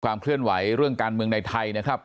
เคลื่อนไหวเรื่องการเมืองในไทยนะครับ